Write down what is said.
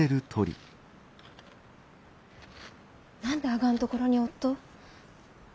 何であがんところにおっと！？